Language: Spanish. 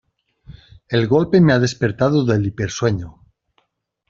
El golpe me ha despertado del hipersueño.